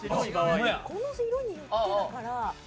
この色によってだから。